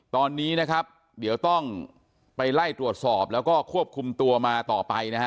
ตอนนี้นะครับเดี๋ยวต้องไปไล่ตรวจสอบแล้วก็ควบคุมตัวมาต่อไปนะฮะ